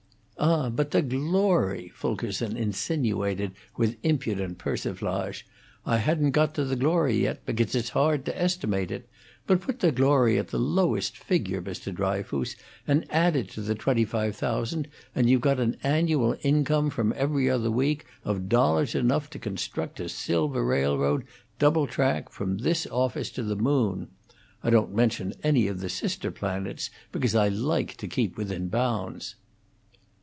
"Ah, but the glory!" Fulkerson insinuated with impudent persiflage. "I hadn't got to the glory yet, because it's hard to estimate it; but put the glory at the lowest figure, Mr. Dryfoos, and add it to the twenty five thousand, and you've got an annual income from 'Every Other Week' of dollars enough to construct a silver railroad, double track, from this office to the moon. I don't mention any of the sister planets because I like to keep within bounds."